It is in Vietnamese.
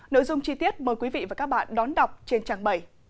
nội dung chi tiết mời quý vị và các bạn đón đọc trên trang bảy